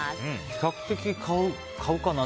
比較的買うかな。